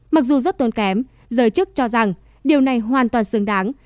mặc dù rất tốn kém giới chức cho rằng điều này hoàn toàn xứng đáng